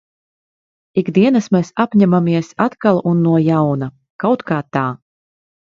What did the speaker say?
Ik dienas mēs apņemamies atkal un no jauna. Kaut kā tā.